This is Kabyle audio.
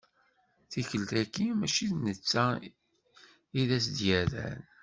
Tikkelt-agi mačči d netta i d as-d-yerran.